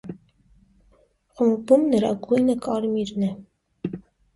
Խմբում նրա գույնը կարմիրն է։